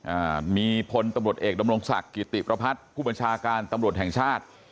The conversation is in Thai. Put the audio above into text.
อ่ามีพลตำรวจเอกดำรงศักดิ์กิติประพัฒน์ผู้บัญชาการตำรวจแห่งชาติ